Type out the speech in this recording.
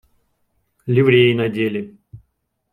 Ливреи надели.